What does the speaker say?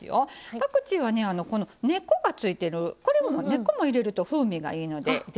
パクチーは根っこがついてる根っこも入れると風味がいいのでぜひね